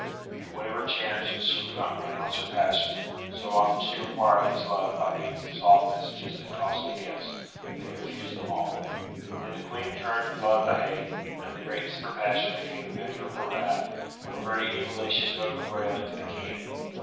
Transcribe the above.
But whatever chanced she would not renounce her passion, so often she required his love by means of soft messages and costly gifts, but he refused them all. Then the Queen turned from love to hate, and the greatness of her passion became the measure of her wrath, for very evilly she spoke of Graelent to the King.